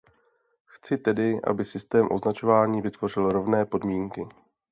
Chci tedy, aby systém označování vytvořil rovné podmínky.